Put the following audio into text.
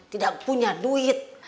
tidak punya duit